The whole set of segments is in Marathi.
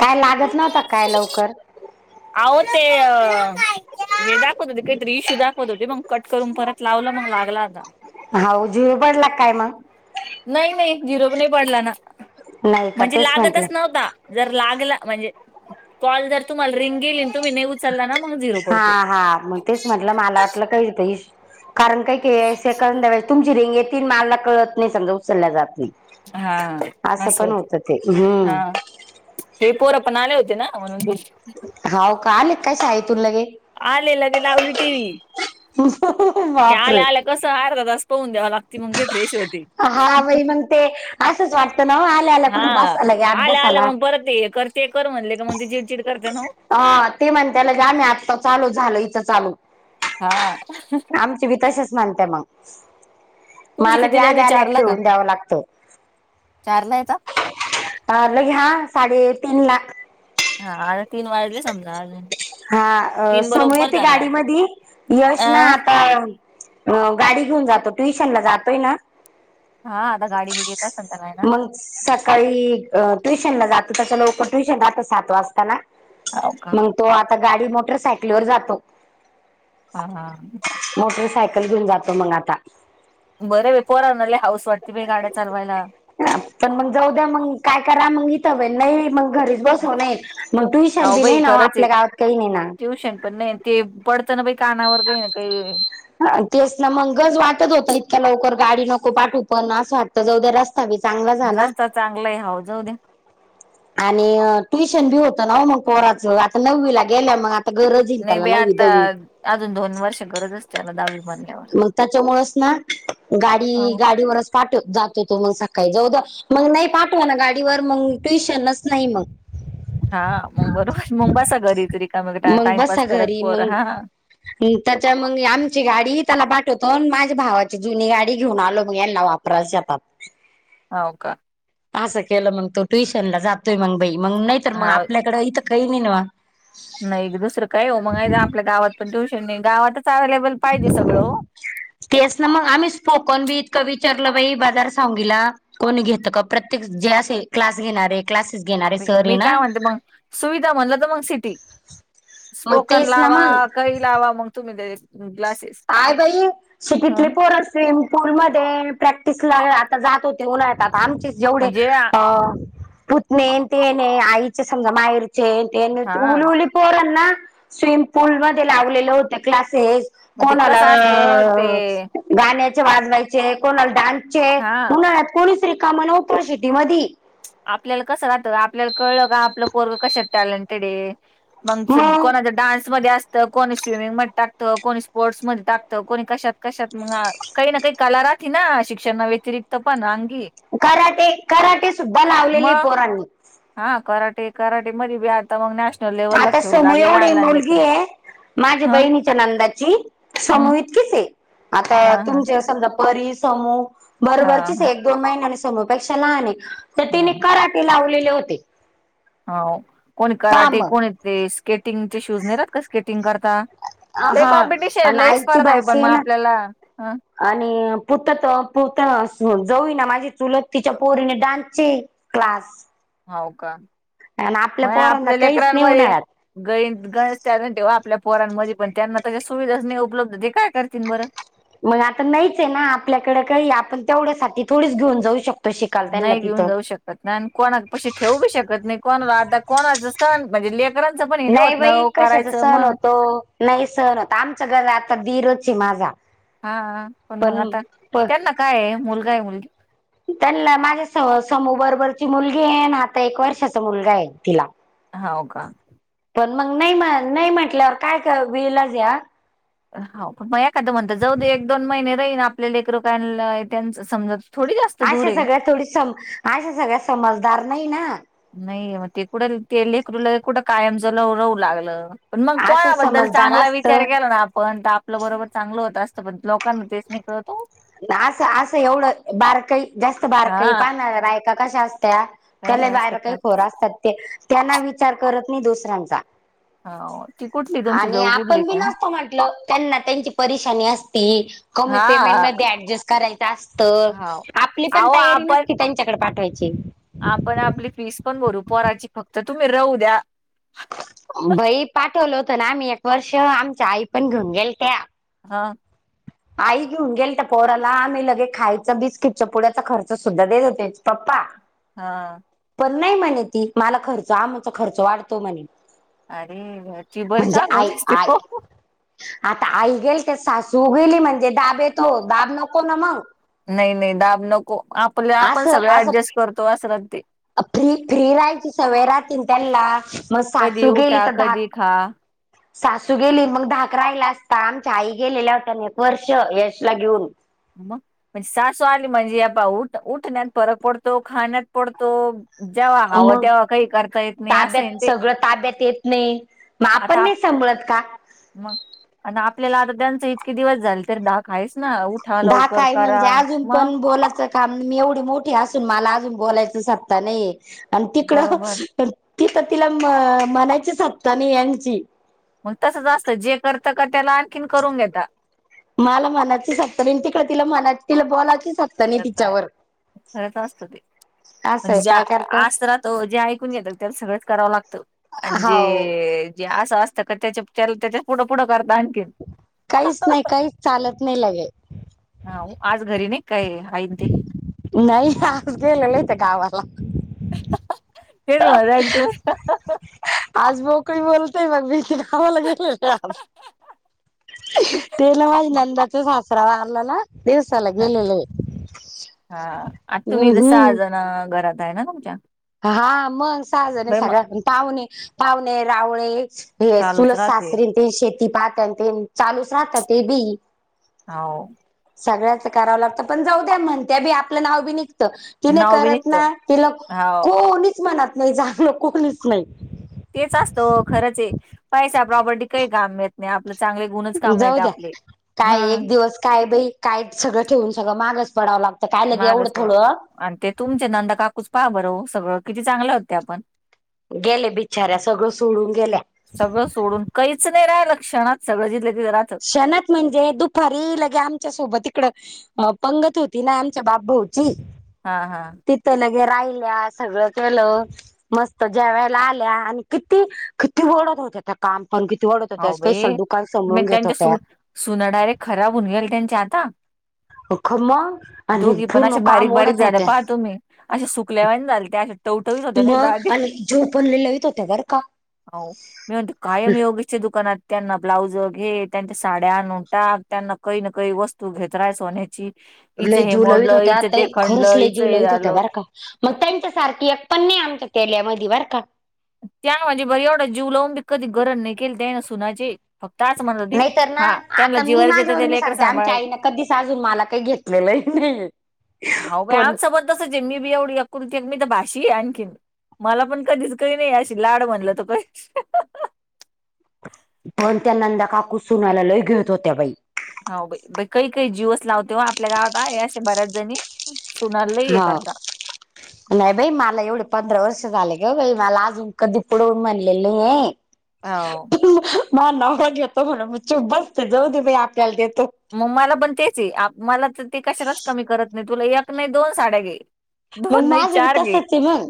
काय लागत नव्हत काय लवकर आह ते अ हे दाखवत होते काहीतरी इशू दाखवत होते मग कट करून परत लावलं मग लागला आता हा जुवे पडला काय मग नाही नाही झिरो पण नाही पडला ना नाही का म्हणजे तेच म्हंटल लागतच नव्हता. जर लागला म्हणजे कॉल जर तुम्हाला रिंगेली तुम्ही ने उचलला ना. मग झिरो हा पडतो हा मग तेच म्हटलं मला वाटलं काही कारण काही एखाद्या वेळेस तुमची रिंग येती माला कळत नाही समजा उचलला जात नाही. हा असं पण होतं ते हम्म. हा हे पोर पण आले होते ना म्हणून अहो आले काय शाळेतून लगे. आले आले की लावली टी व्ही बापरे. कसं आहे अर्धा तास पहून द्यावा लाग. हा आई म्हणते ते असंच वाटतं ना. आल्या आल्या हा कुठे बसायला गे आलं आलं अभ्यासाला मग परत ते करते कर म्हणले का मग ते चिडचिड करते ना वो हा ते म्हण त्याल झालं आत्ता चालू झालं हीच चालू. हा. आमचे विकाशच माणते मग तुमची मला बी कितीला आल्या येते आल्या चारला का खेळून द्यावं लागतं. चारला येता आले घ्या साडे तीन लाख. हा आता तीन वाजले समजा आ. हा समु येते गाडी मध्ये यश ना आता अ गाडी घेऊन जातो ट्युशन ला जातोय ना. हा आता गाडी बिडी येत असेल त्याला ना. मग सकाळी ट्युशनला जात त्याच लवकर ट्युशन असतो सात वाजताना हो का? तो आता गाडी मोटर सायकलवर जातो. हा हा. मोटरसायकल घेऊन जातो मग आता बरं बाई पोराणा लय हाऊस वाटते बाई गाड्या चालवायला. पण मग जाऊ द्या मग काय करा मग इथ वेळ नाही मग घरी. बस हो नाही मग ट्युशन बी नाही ना आपल्या गावात काही नाहीे ना. ट्यूशन पण नाही. ते पडतं ना बई कानावर काही ना काही तेच ना मग उगाच वाटत होतं इतक्या लवकर गाडी नको पाठू पण असं वाटतं जाऊदे. चांगला झाला. चांगलंय अहो जाऊ दया. आणि ट्युशन बी होतं ना मग पोराच आता नववी ला गेल्या मग आ. गरज हाय का, नाही त्याला बाई नववी आता दहावी. अजून दोन वर्ष गरज असते, त्याला दहावी मध्ये. मग त्यांच्यामुळेच ना, गाडी हो गाडीवरच. पाठव जातो. तो हो सकाळी जाऊ द्या, मग नाही पाठवा ना गाडीवर मग टेन्शनच नाही मग, हां.. मग बरोबर मग बसा घरीच रिकामी मग टाइमपास बसा करत घरी पोर मग हां. त्याच्या मगं आमची गाडीत. त्याला पाठवतो. आणि माझ्या भावाची जुनी गाडी घेऊन आलो, मग यांना वापरायला शेतात. होव कां. आसं केलं मग, तो ट्युशन ला जातोय मग बाई, मग नाहीर मग हाव आपल्याकडे इथं कै नाही ना. नाही दुसरं काय हो, मग आपल्या गावात पण ट्युशन नाही, गावातच अव्हेलेबल पाहिजे सगळं ओ. तेच ना मग आम्हीच फोकन बी इतकं, विचारलं बाई बाजार सांग गीला. कोणी घेत का, प्रत्येक जे असे क्लास घेणारे. क्लासेस घेणारे सर आहे मी ना काय म्हणते मग, सुविधा म्हणलं तर मग सिटी. मग स्पोकन तेच ना लावा. मग कही लावा मग तुम्ही ते, क्लासेस अगं ही, ह सिटीतली पोर चं. स्विमिंग पूल मध्ये प्रॅक्टिसला आता जात होते. उन्हाळ्यात आता आमचीचं. जेवढे म्हणजे आ- अ.. पुतणे तेने आईचे समजा माहेरचे. ते हा उलउली पोरना, स्विमिंग पूलमध्ये लावलेलं होत क्लासेस. मग ते कोणाला. कसं असतं ते गाण्यांचे, वाजवायचे, कोणाला डान्सचे हा उन्हाळ्यात कोणीच रिकाम न्हवत सिटी मधी. आपल्याला कसं राहत. आपल्याला कळलं का, आपलं पोरग कशात टॅलेंटेड आहे. मग कोणाच्या डान्समध्ये अस तर कोणी स्विमिंग मध्ये टाकतं, कोणी स्पोर्ट्स मध्ये टाकत. कोणी कशात कशात मग, काही ना काही कला राहती ना, शिक्षण ना व्यतिरिक्त पण आंगी. कराटे, कराटे सुद्धा लावलेले मग पोरांनी. हा. कराटे कराटे मध बी, आता मग नॅश आता समू एवढी मुलगी ये. माझ्या ह बहिणीच्या नंदाची हम् समू इतकीच ये. हा आता हा तुमचा समजा, परी, समू हा बरोबरचीच हा हाय, एक दोन महिन्याने समूपेक्षा लहान आहे. तर हा तिने कराटे, ते लावलेले होते. हो. कोणी पहा कराटे मग कोणी ते, स्केटिंगचे शूज न रात का स्केटिंग करता. हे हा आणि कॉम्पिटिशनलास आईची स्पर्धा आहे. भाषा पण मग ना आपल्याला अं. आणि पुत त पुत जाऊ ये ना, माझी चुलत तिच्या पोरीने डान्सची. क्लास. हो का, आणि मग पोरांना आपल्या काहीच नाही लेकरांनमध्ये. उन्हाळ्यात [unintelligible] टॅलेंट आपल्या पोरांमध्ये पण, त्यांना तशा सुविधाच नाही उपलब्ध ते काय करतील बरं. मग आता नाहीच येना, आपल्याकडे काही आपण तेवढ्यासाठी थोडीच घेऊन जाऊ शकतो. शिकायला त्यांना नाही घेऊन तिथं जाऊ शकत नाही, आणि कोणापाशी ठेवू बी शकत नाही, कोणा आता कोणाचा सण म्हणजे लेक नाही बाई कशाचा सण होतो, नाही सण होतं. आमचा घरात आता दीर चं ये माझा. हा.. हा.. पण मग आता त्यांना काय आहे. मुलगा आहे की मुलगी. त्यांना माझ्या स समू बरोबरची मुलगी ये, आणी आता एक वर्षाचा मुलगा आहे तिला. होव कां. पण मग नाही, म्ह नाही म्हंटल्यावर काय विलाच आ. होव. पण मग एखादं म्हणत जाऊदे, एक दोन महिने रहीन आपल्या लेकर काय त्यांच समजत. अशा सगळ्या थोडी सं, अशा सगळ्या समजदार नाही ना. नाही मग ते कुठं ते लेकरूल कुठं, कायम झालं रहू लागलं. पण मग असं कोणाबद्दल समजदार चांगला असत विचार केला, ना आपण आपलं बरोबर चांगलं होत असतं, पण लोकांना तेच नाही कळत‌ हो. ना असं असं एवढं बारकाई जास्त, बारकाई हा पान आहे का कशा बायक्या कशा असत्या. कसे त्याला बाहेर असते काही का खोर असतात, ते त्यांना विचार करत नाही दुसऱ्यांचा. हा. आणि आपण बी नसत म्हटल त्यांना त्यांची परेशानी असती. कमी हा पेमेंटमध्ये. डजस्ट करायच असत हाव आपली पण अहो तयारी आपण नसती त्यांच्याकडे पाठवायची. आपण आपली फीस पण भरू पराची फक्त तुम्ही राहू द्या. बई पाठवलं होतं ना आम्ही एक वर्ष आमच्या आई पण घेऊन गेल त्या. हा. आई घेऊन गेल तर पोराला आम्ही लगे खायचं बिस्किट च पुड्याचा खर्च सुद्धा देत होतेच पप्पा. हा. पण नाही म्हणे ती मला खर्च आमचा खर्च वाढतो म्हणे अरे ती बरी म्हणजे चांग आई होतेसते आई ख आता आई गेल ते सासू गेली म्हणजे दाब येतो दाब नको ना मग. नाही नाही दाब नको आपल्या आपण सगळ असं असं ऍडजस्ट करतो असरात ते फ्री फ्री राहायची सवय राात्री त्याला मग कधी सासू गेली उठा तर कधी धाक. खा सासू गेली मग धाक राहिला असता आमच्या आई गेलेल्या होत एक वर्ष यशला घेऊन. मग म्हणजे सासू आली म्हणजे आप उठ उठण्यात फरक पडतो खाण्यात पडतो. जेव्हा हवं मग तेव्हा काही करता येत नाही असय ताब्यात ते. सगळं ताब्यात येत नाही मग आता आपण आप नाही सांभळत का. मग आणि आपल्याला आता त्यांच इतके दिवस झाले तर दा खा आहेस ना. दा लवकर काय करा. म्हणजे अजून मग. पण बोलाचं. काम मी एवढी मोठी असून मला अजून बोलायचं आत्ता नाही आणि तिकडं. बरोबर तर ति तर तिला म्हणायचीच हत्ता ना यांची. मग तसं जास्त जे करतं का त्याला आणखीन करून घेता. मला मनाचगतं तिकडे तिला मना तिला बोलायची सत्ता. नाही करताय तिच्यावर हळच अस असतते. म्हणजे असंय ज्या काय करता आज तररा तो जे ऐकून घेतो त्याला सगळंच करावं लागतं. हाव आणिजे जे असं असतं का त्याच्या त्याला त्याच्या पुढं पुढं करत आणखीन काहीच नाही काही चालत नाही लगेल. हा आज घरी नाही काय आईन ते. नाही आज गेले नाही ते गावाला फर मजा य तू. आज बोकळी बोलतेय मग बी. खवाला गेल तेला माझ नंदाचच. सरावारलला दिवसाला हा गेलेले. हा आता तुम्ही जस हम्म आजण घरात आहे ना तुमच्या हा मग साजने बाई मग सगळ्या पण पावणे पावणे रावळे. हे चालूच सुलज राहते सासरी ते शेती पात ते चालूच राहतात ते बी हो. सगळ्याच करावं लागतं पण जाऊ द्या म्हणत्या बी आपलं नाव बी निघत. तिने नाव बी करत निघत ना तिला हो कोणीच म्हणत नाही झागलं कोणीच नाही. तेच असतं खरंच पैसा प्रॉपर्टी काही काम येत नाही आपलं चांगले गुण. जाऊ द्या काय एक दिवस काय बई काय सगळं ठेवून सगळं मागस पडावं लागत. मागच प आणि ते तुमचे नंद काकूच पहा बरं हो सगळं किती चांगले होते आपण. गेले बिचाऱ्या सगळ सोडून गेल्या. सगळं सोडून काहीच नाही राय लक्षणात सगळं जिथलं तिथं राहत. शणत म्हणजे दुपारी लगे आमच्यासोबत इकडं. अ पंगत होती ना आमच्या बापभऊची. हा हा. तिथं लगे राहिल्या सगळं केलं. मस्त ज्या वेळेला आल्या आणि किती किती ओळत होत्या त्या. काम पण किती वाढतं त्या हाव स्पेशल बाई दुकान मी समळून घेत. त्यांच्या सु होत्या सुना डायरेक्ट खराब होऊन गेल त्यांच्या आता. अख मग आणि दोघी पण पूर्ण अशे काम बारीक-बारीक ओढत झालं होत्या पाहा तुम्ही अशे सुकल्यावन झालत्या. टवटवीत होत्या नाही मग दाढी आणि जेव पण लिल्लवित होतेय बरं का? हाव मी म्हणते कायम योग च्या दुकानात त्यांना ब्लाउज घे त्यांच्या साड्या नोटा त्यांना काही न काही वस्तू घेत राहा सोन्याची. हिचं लई हे जीव लवित मोडलं होत्या हिचं ताई ते खरंच खणलं लई हिचं जेऊ हे लवित होत्या झालं बरं का. मग त्यांच्यासारखी एक पण नाही आमच्या केल्यामध्ये वर का. त्या म्हणजे बरी एवढा जीव लावून बी कधी गरम नाही केलत्या ना सुनाचे. फक्त असं म्हणत होती नाहीतर ना हा त्यांना आता मी जिवारीचेत माझ्यावर ते मी लेकर सांगते आमच्या सांभाळ. आईनं कधीच अजून मला काही घेतलेलं ही नाही आहे. हाव बाई आमचा पण तसज आहे मी बी एवढी एक कुल ती मीत भाशी आहे आणखीन. मला पण कधीच काही नाही अशी लाड म्हणलं त पहीच पण त्या नंदा काकु सुनायला लय घेत होत्या बाई. हो बाई काही काही जीवस लावते व आपल्या गावात आहे अशे बऱ्याच जणी. सुनाला लई ए हा करता. नाही बाई मला एवढे पंधरा वर्ष झाले ग बाई मला अजून कधी पुढं म्हनलेलं नाही आहे. हाव माझा नवरा घेतो म्हणून म चूप बसते जाऊ दे बाई आपल्याला देतो. मग मला पण तेच आहे आ मला तर ते कशाला चं कमी करत नाही तुला एक नाही दोन साड्या घे. मग दोन नाही माझं बी चार तसच घे आहे मग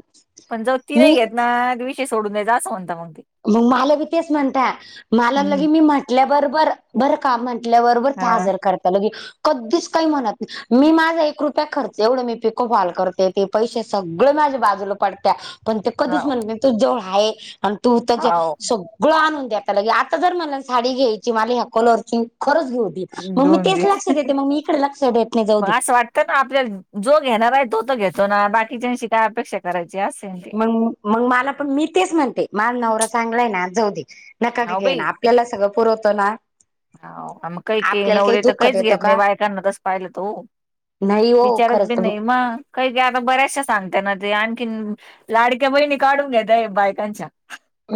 पण जाऊ ती नाही मी घेत ना वी चे सोडून द्या जा असं म्हणता मग ते. मग मला बी तेच म्हणत्या मला हम्म लगी मी म्हटल्या बरोबर बरं का म्हटल्या बरोबर हा ते हजर करता लगे कधीच काही म्हणत नाही मी माझा एक रुपया खर्च एवढं मी पिको हॉल करते ते पैशे सगळं माझ्या बाजूला पडत्या. पण ते कधीच हाव म्हणत नाही तू जवळ आहे आणि तू त्याच्या हाव स गळं आणून द्यायता लगे आता जर मला साडी घ्यायची मला ह्या कलरची खरंच घेऊ दी. मग मी दोन तेच दिवस लक्ष देते मग मी इकडे लक्ष देत नाही जाऊ दे. तर ना आपल्या जो घेणार आहे तो तर घेतो ना बाकीचच्यांशी काय अपेक्षा करायची असेल. मंग मला पण मी तेच म्हणते मला नवरा चांगला आहे ना जाऊ दे. नका की हाव घे ना बाई आपल्याला सगळं पुरवतो ना. हाव का मग काही के आपल्याला काही नवरे तर दुःख काहीच देतं घेत नाही का? बायकांना तस पाहिलं तो नाही हो विचारत खरंच बी तर मग. नाही मं काही की आता बऱ्याचशा सांगते ना ते आणखीन लाडक्या बहिणी काढून घेतय बायकांच्या.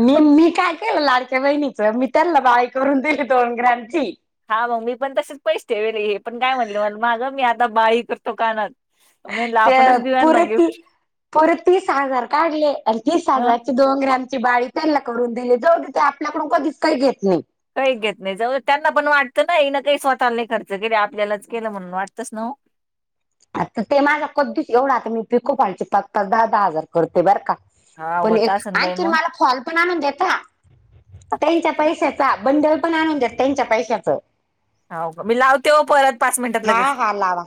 मी मी काय केलं लाडक्या बहिणीचा मी त्यांना बाळी करून दिली दोन ग्रॅम ची. हा मग मी पण तसेच पैशे ठेवले हे पण काय म्हणले म मागं मी आता बाळी करतो कानात. मी म्हणलं ते आपणच देऊया ना पुरे ती गिफ्ट पुरे तीस हजार काढले आणि तीस हजार दोन ग्रॅमची बाळी त्यांनला कडून दिले जाऊ ते आपल्याकडून कधीच काही घेत नाही. काही घेत नाही जाऊ दे त्यांना पण वाटतं ना येनं काही स्वतःला ही खर्च केले आपल्यालाच केलं म्हणून वाटतंच ना हो. आता ते माझा कधीच एवढा आता मी पिको फॉलचे पाच-पाच, दहा-दहा हजार करते बरं का हा पण होत एक असन बाई आणखीन मग मला फाॅल पण आणून देता त्यांच्या पैशाचा बंडल पण आणून देत त्यांच्या पैशाचा. हाव का मी लावते हो परत पाच मिनिटात हा लगेच. हा लावा.